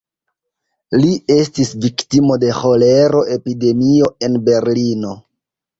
Li estis viktimo de ĥolero-epidemio en Berlino.